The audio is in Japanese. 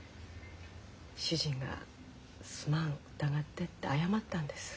主人が「すまん疑って」って謝ったんです。